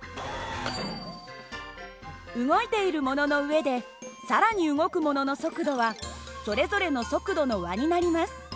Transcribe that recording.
動いているものの上で更に動くものの速度はそれぞれの速度の和になります。